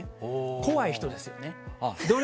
怖い人ですよね。